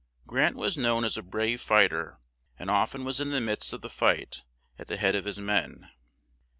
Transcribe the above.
Grant was known as a brave fight er, and oft en was in the midst of the fight at the head of his men.